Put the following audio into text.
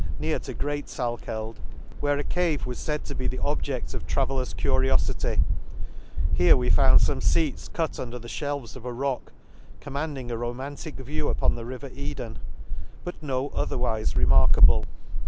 near to Qreat Salkeld, where a cave the Lakes. ioi was faid to be the objedt of travellers cu nofity ;— here we found fome feats cut under the fhelves of a rock, commanding a romantic view upon the river Eden; but no otherwife remarkable.